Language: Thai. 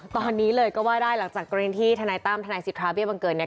ตอนนี้เลยก็ว่าได้หลังจากกรณีที่ทนายตั้มทนายสิทธาเบี้บังเกิดเนี่ย